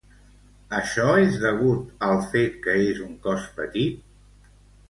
Això és degut al fet que és un cos petit?